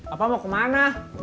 apa mau kemana